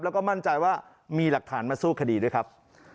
แล้วก็มั่นใจว่ามีหลักฐานมาสู้คดีด้วยครับ